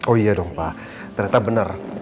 oh iya dong pak ternyata benar